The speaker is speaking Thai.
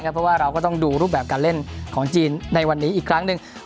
เพราะว่าเราก็ต้องดูรูปแบบการเล่นของจีนในวันนี้อีกครั้งหนึ่ง